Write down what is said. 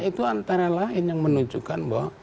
itu antara lain yang menunjukkan bahwa